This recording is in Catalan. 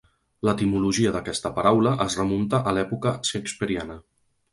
L'etimologia d'aquesta paraula es remunta a l'època shakespeariana.